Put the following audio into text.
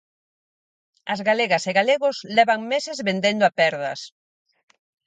As galegas e galegos levan meses vendendo a perdas.